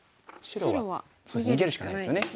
白は逃げるしかないですね。